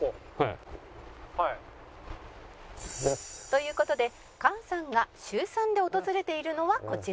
「という事で菅さんが週３で訪れているのはこちら」